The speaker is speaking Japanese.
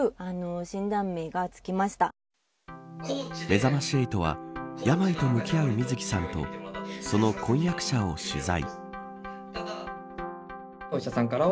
めざまし８は病と向き合うみずきさんとその婚約者を取材。